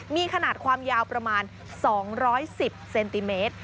มีขนาดความยาวประมาณ๒๑๐เซนติเมตร